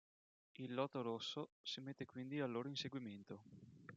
Il Loto Rosso si mette quindi al loro inseguimento.